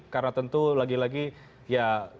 karena tentu lagi lagi ya